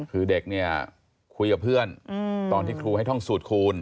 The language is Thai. คือเด็กเนี่ยคุยกับเพื่อนตอนที่ครูให้ท่องสูตรคูณ